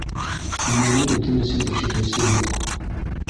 Кинйәнең үтенесен ишетеүсе юҡ.